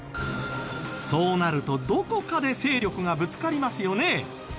そうなるとどこかで勢力がぶつかりますよね。